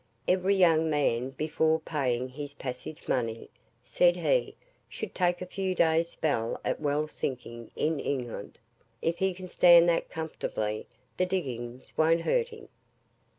"Every young man before paying his passage money," said he, "should take a few days' spell at well sinking in England; if he can stand that comfortably, the diggings won't hurt him."